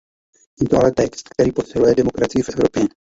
Je to ale text, který posiluje demokracii v Evropě.